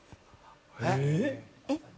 えっ？